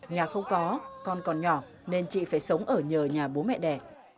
nhà không có con còn nhỏ nên chị phải sống ở nhờ nhà bố mẹ đẻ